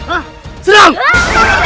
tolong aja serang mereka